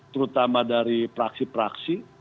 terutama dari praksi praksi